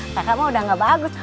kakak mah udah gak bagus